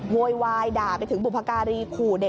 ทุกครั้งแบบนี้ตลอดเลย